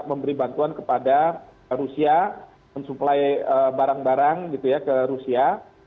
memberi bantuan kepada rusia mensuplai barang barang gitu ya ke rusia